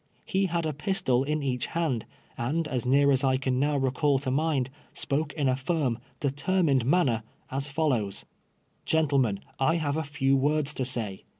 He had a pistol in each hand, and as near as I can now recall to mind, spoke in a firm, determined manner, as fallows :'• Gentlemen, I have a few words to say.